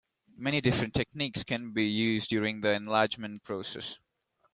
Many different techniques can be used during the enlargement process.